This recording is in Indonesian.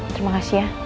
terima kasih ya